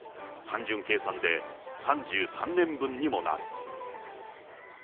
単純計算で３３年分にもなる。